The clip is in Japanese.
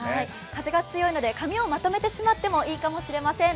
風が強いので髪をまとめてしまってもいいかもしれません。